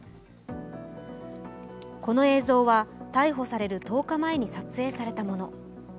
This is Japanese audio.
この映像は逮捕される１０日前に撮影されたもの。